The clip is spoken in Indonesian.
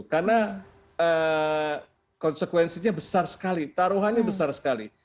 karena konsekuensinya besar sekali taruhannya besar sekali